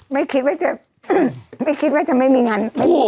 ไม่คิดว่าจะไม่คิดว่าจะไม่มีงั้น